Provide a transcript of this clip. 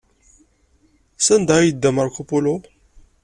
Sanda ay yedda Marco Polo?